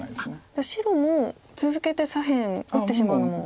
じゃあ白も続けて左辺打ってしまうのも。